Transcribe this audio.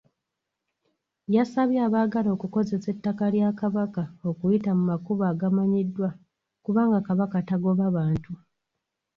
Yasabye abaagala okukozesa ettaka lya Kabaka okuyita mu makubo agamanyiddwa kubanga Kabaka tagoba bantu.